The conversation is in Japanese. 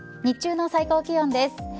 日中の最高気温です。